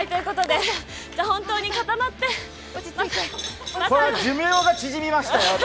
本当に固まってこれは寿命が縮みましたよ、私。